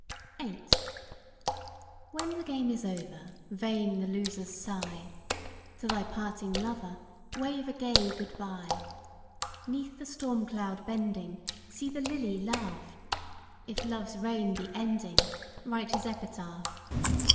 8 When the game is over, vain the loser's sigh. To thy parting lover, wave a gay good by! 'Neath the storm cloud bending, see the lily laugh. If Love's reign be ending write his epitaph!